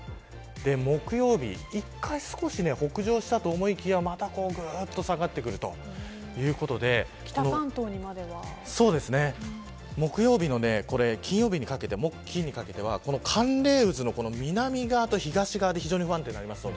木曜日、一回少し北上したと思いきやまたぐっと下がってくるということで木曜日から金曜日にかけて寒冷渦の南側と東側で非常に不安定になります。